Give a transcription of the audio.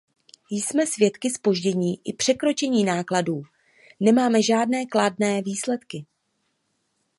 Jsme svědky zpoždění i překročení nákladů; nemáme žádné kladné výsledky.